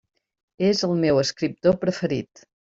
És el meu escriptor preferit.